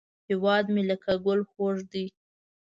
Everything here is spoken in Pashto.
هیواد مې لکه ګل خوږ دی